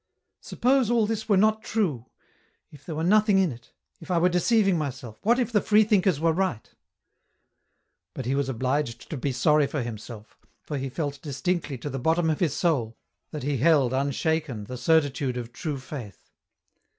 " Suppose all this were not true, if there were nothing in it, if I were deceiving myself, what if the freethinkers were right ?" But he was obliged to be sorry for himself, for he felt distinctly to the bottom of his soul, that he held unshaken the certitude of true Faith.